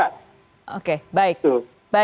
ya ini kan menjadi berat